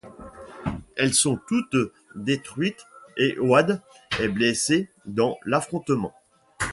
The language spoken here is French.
Elles sont toutes détruites et Wade est blessé dans l'affrontement.